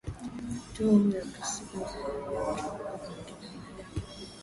tuhuma ya kuhusika na mauaji ya watu na kukiuka haki za binadamu